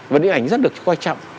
và điện ảnh rất được quan trọng